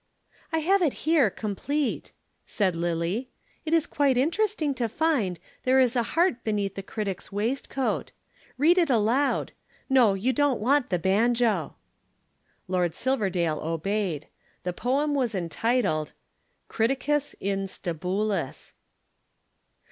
"I have it here complete," said Lillie. "It is quite interesting to find there is a heart beneath the critic's waistcoat. Read it aloud. No, you don't want the banjo!" Lord Silverdale obeyed. The poem was entitled. CRITICUS IN STABULIS